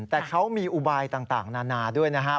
แต่เขามีอุบายต่างนานาด้วยนะครับ